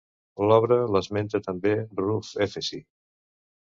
L'obra l'esmenta també Ruf Efesi.